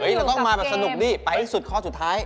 เราต้องมาแบบสนุกดิไปที่สุดข้อสุดท้าย